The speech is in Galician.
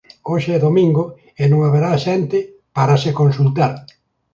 Hoxe é domingo e non haberá xente para se consultar...